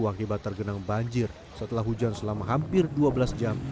akibat tergenang banjir setelah hujan selama hampir dua belas jam